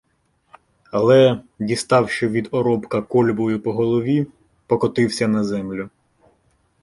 Але, діставши від Оробка кольбою по голові, покотився на землю.